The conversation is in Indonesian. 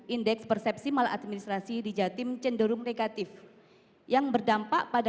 indeks persepsi maladministrasi di jatim cenderung negatif yang berdampak pada